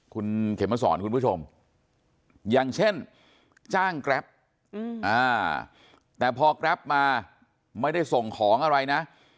คุณเขมสอนคุณผู้ชมอย่างเช่นจ้างแกรปแต่พอแกรปมาไม่ได้ส่งของอะไรนะ